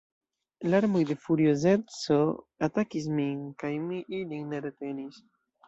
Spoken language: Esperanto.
Larmoj de furiozeco atakis min, kaj mi ilin ne retenis.